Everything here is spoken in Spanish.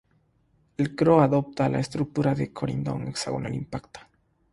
El CrO adopta la estructura del corindón, hexagonal compacta.